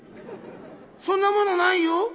そんなものないよ」。